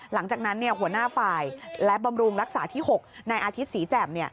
หลังจากนั้นหัวหน้าฝ่ายและบำรุงรักษาที่๖ในอาทิตย์ศรีแจ่ม